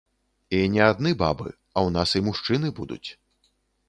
І не адны бабы, а ў нас і мужчыны будуць.